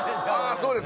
そうです